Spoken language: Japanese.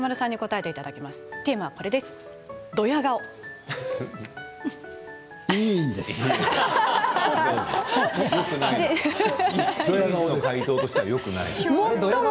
解答としてはよくない。